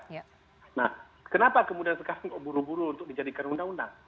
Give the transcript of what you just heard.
nah kenapa kemudian sekarang kok buru buru untuk dijadikan undang undang